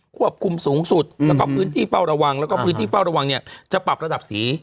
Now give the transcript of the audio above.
ควบคุมสูงสุดแล้วก็พื้นที่เฝ้าระวังแล้วก็พื้นที่เฝ้าระวังเนี่ยจะปรับระดับสี